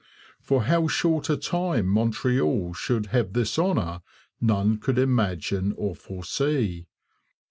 For how short a time Montreal should have this honour, none could imagine or foresee.